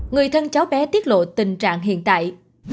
người thân cháu bé tiết lộ tình trạng hiện tại